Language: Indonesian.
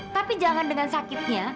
tapi jangan dengan sakitnya